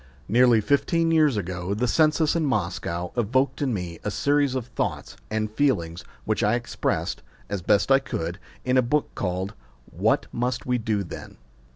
NEARLY fifteen years ago the census in Moscow evoked in me a series of thoughts and feelings which I expressed, as best I could, in a book called What Must We Do Then?